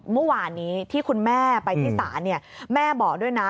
เมื่อวานนี้ที่คุณแม่ไปที่ศาลแม่บอกด้วยนะ